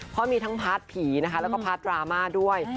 เพราะมีทั้งพาร์ทผีนะคะแล้วก็พาร์ทดราม่าด้วย